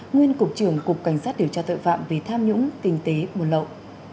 nguyên cục trưởng cục cảnh sát điều tra tội phạm về tham nhũng kinh tế buôn lậu